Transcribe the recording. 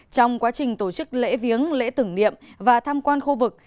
trong quá trình tổ chức lễ viếng lễ tưởng niệm và tham quan khu vực